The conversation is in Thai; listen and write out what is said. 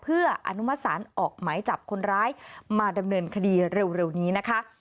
เพื่ออนุมสารออกหมายจับคนร้ายมาดำเนินคดีเร็วนี้นะคะ